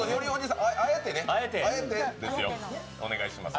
あえてですよ、お願いします。